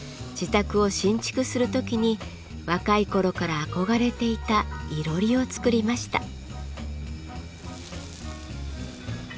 自宅を新築する時に若い頃から憧れていたいろりを作りました。